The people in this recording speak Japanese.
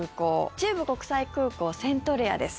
中部国際空港セントレアです。